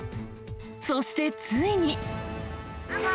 そしてついに。